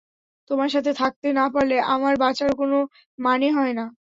তোমার সাথে থাকতে না পারলে আমার বাঁচারও কোনো মানে হয় না।